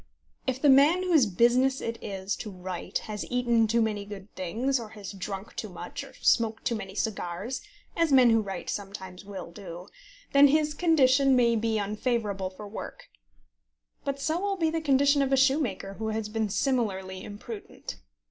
If the man whose business it is to write has eaten too many good things, or has drunk too much, or smoked too many cigars, as men who write sometimes will do, then his condition may be unfavourable for work; but so will be the condition of a shoemaker who has been similarly imprudent.